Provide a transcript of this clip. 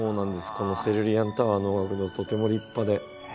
このセルリアンタワー能楽堂とても立派で。